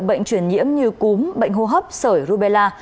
bệnh truyền nhiễm như cúm bệnh hô hấp sởi rubella